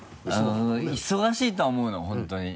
忙しいとは思うの本当に。